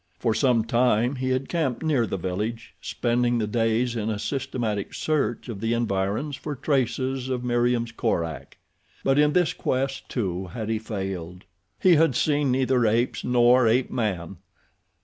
For some time he had camped near the village, spending the days in a systematic search of the environs for traces of Meriem's Korak; but in this quest, too, had he failed. He had seen neither apes nor ape man.